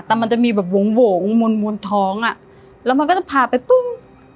แต่มันจะมีแบบวงมนท้องแล้วมันก็จะพาไปปุ๊บ